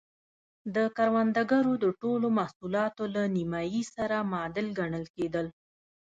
د کروندګرو د ټولو محصولاتو له نییمایي سره معادل ګڼل کېدل.